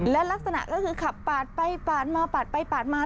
และลักษณะก็คือขับปาดไปปาดมาปาดไปปาดมา